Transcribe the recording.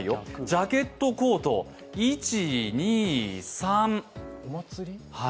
ジャケット、コート、１、２、３。